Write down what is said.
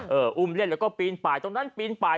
อุ้มเล่นแล้วก็ปีนไปตรงนั้นปีนไป